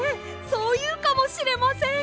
そういうかもしれません！